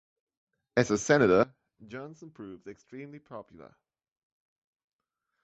As a senator, Johnson proved extremely popular.